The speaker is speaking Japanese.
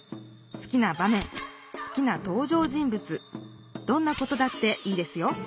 すきな場めんすきなとう場人ぶつどんなことだっていいですよ